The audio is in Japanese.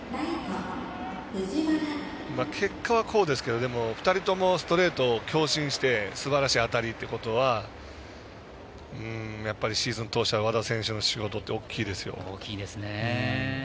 結果はこうですが２人ともストレートを強振してすばらしいなというということはやはりシーズン通しては和田選手の活躍は大きいですよね。